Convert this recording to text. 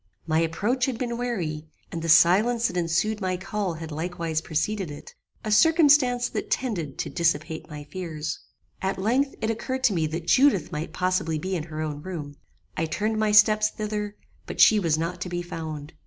My approach had been wary, and the silence that ensued my call had likewise preceded it; a circumstance that tended to dissipate my fears. "At length it occurred to me that Judith might possibly be in her own room. I turned my steps thither; but she was not to be found.